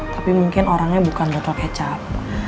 tapi mungkin orangnya bukan botol kecap